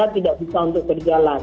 tidak bisa untuk berjalan